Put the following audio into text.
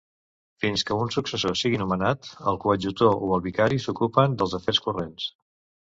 Fins que un successor sigui nomenat, el coadjutor o el vicari s'ocupen dels afers corrents.